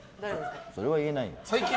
それは言えないよ。